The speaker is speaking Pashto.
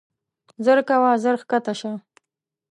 ژر کوه ژر کښته شه.